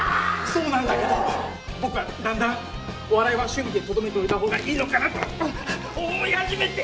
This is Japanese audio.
そうなんだけど僕はだんだんお笑いは趣味でとどめておいたほうがいいのかなと思い始めて！